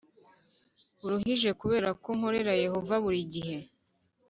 buruhije Kubera ko nkorera Yehova buri gihe